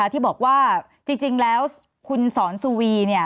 ที่บอกว่าจริงแล้วคุณสอนสุวี